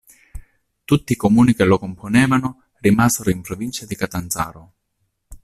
Tutti i comuni che lo componevano rimasero in provincia di Catanzaro.